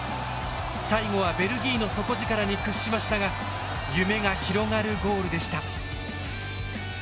最後はベルギーの底力に屈しましたが夢が広がるゴールでした。